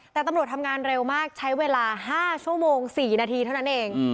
แต่ตำรวจทำงานเร็วมากใช้เวลา๕ชั่วโมง๔นาทีเท่านั้นเอง